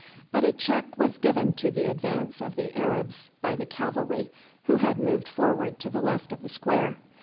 But a check was given to the advance of the Arabs by the cavalry, who had moved forward to the left of the square.